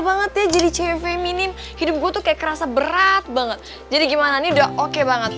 banget ya jadi cewek minim hidup gue tuh kayak kerasa berat banget jadi gimana nih udah oke banget